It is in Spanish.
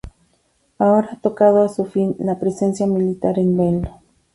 Ahora ha tocado a su fin la presencia militar en Venlo.